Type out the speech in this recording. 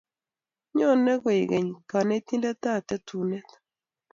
nyone kwekeny konetindetab tetunet